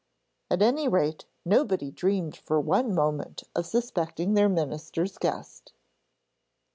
At any rate, nobody dreamed for one moment of suspecting their minister's guest.